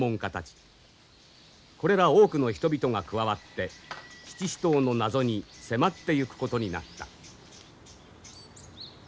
これら多くの人々が加わって七支刀の謎に迫ってゆくことになった。